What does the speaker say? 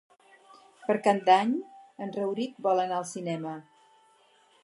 Per Cap d'Any en Rauric vol anar al cinema.